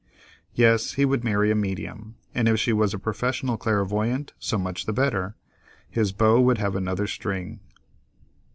Yes, he would marry a medium, and if she was a professional clairvoyant, so much the better, his bow would have another string.